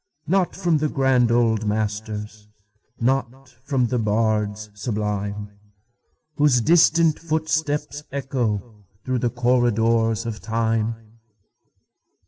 Not from the grand old masters, Not from the bards sublime, Whose distant footsteps echoThrough the corridors of Time.